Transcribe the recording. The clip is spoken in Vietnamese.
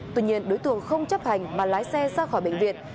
tuy nhiên đối tượng không chấp hành mà lái xe ra khỏi bệnh viện